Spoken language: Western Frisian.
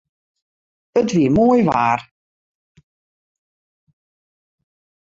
It wie moai waar.